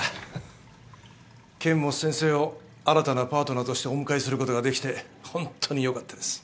剣持先生を新たなパートナーとしてお迎えすることができてホントによかったです。